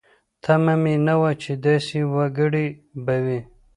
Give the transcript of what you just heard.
تمه مې نه وه چې داسې وګړي به وي.